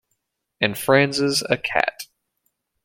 And Franz's a cat.